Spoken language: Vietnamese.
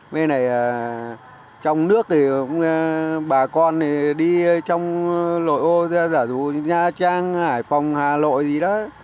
bên này trong nước thì bà con đi trong lội ô giả dụ như nha trang hải phòng hà lội gì đó